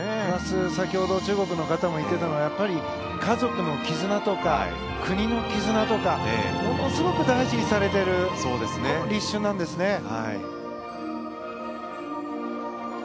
プラス、先ほど中国の方も言っていたのはやっぱり家族の絆とか国の絆とかものすごく大事にされている立春なんですね。